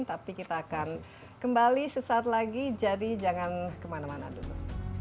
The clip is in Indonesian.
tapi kita akan kembali sesaat lagi jadi jangan kemana mana dulu